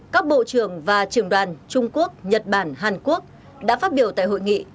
các bộ trưởng và trưởng đoàn trung quốc nhật bản hàn quốc đã phát biểu tại hội nghị